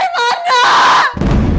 ini anaknya putri gembis